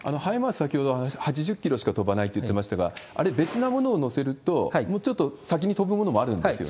先ほど、はいまーす８０キロしか飛ばないといっていましたが、別なものを載せると、もうちょっと先に飛ぶものもあるんですよね？